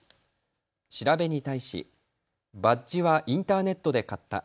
調べに対しバッジはインターネットで買った。